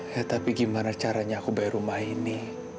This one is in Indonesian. ya tapi gimana caranya aku bayar rumah ini